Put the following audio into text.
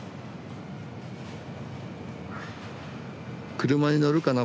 車に乗るかな？